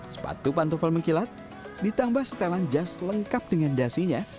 sepatu pantufel mengkilat ditambah setelan jas lengkap dengan dasinya